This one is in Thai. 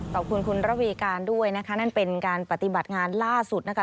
ขอบคุณคุณระวีการด้วยนะคะนั่นเป็นการปฏิบัติงานล่าสุดนะคะ